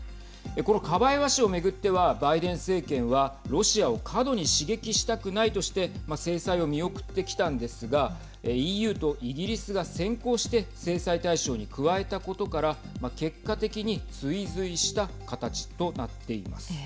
このカバエワ氏を巡ってはバイデン政権はロシアを過度に刺激したくないとして制裁を見送ってきたんですがＥＵとイギリスが先行して制裁対象に加えたことから結果的に追随した形となっています。